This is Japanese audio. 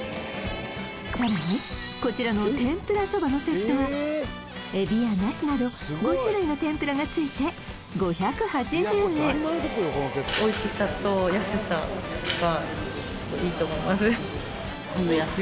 さらにこちらの天ぷらそばのセットはえびやなすなど５種類の天ぷらがついて５８０円と思います